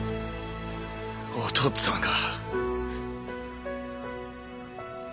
お父っつぁんが。